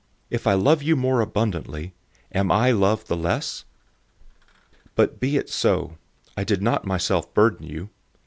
If I love you more abundantly, am I loved the less? 012:016 But be it so, I did not myself burden you.